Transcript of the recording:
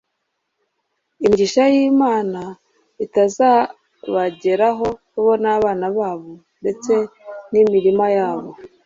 imigisha y'Imana itazabageraho bo n'abana babo ndetse n'imirima yabo.